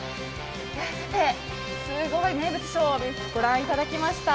さて、すごい名物ショーを御覧いただきました。